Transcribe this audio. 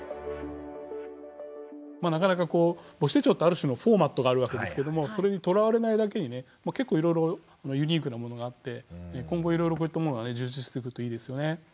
なかなかこう母子手帳ってある種のフォーマットがあるわけですけどもそれにとらわれないだけにね結構いろいろユニークなものがあって今後いろいろこういったものがね充実してくるといいですよね。